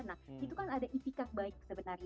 nah itu kan ada itikat baik sebenarnya